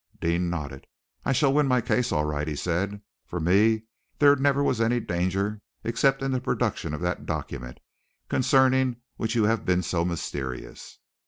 Deane nodded. "I shall win my case all right," he said. "For me there never was any danger except in the production of that document, concerning which you have been so mysterious."